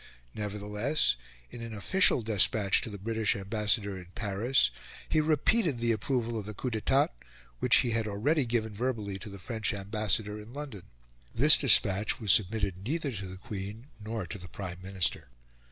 Nevertheless, in an official despatch to the British Ambassador in Paris, he repeated the approval of the coup d'etat which he had already given verbally to the French Ambassador in London. This despatch was submitted neither to the Queen nor to the Prime Minister.